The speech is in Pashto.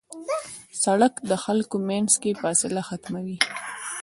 سړک د خلکو منځ کې فاصله ختموي.